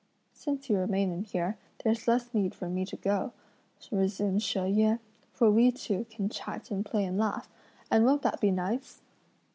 "Since you remain in here, there's less need for me to go," resumed She Yüeh, "for we two can chat and play and laugh; and won't that be nice?"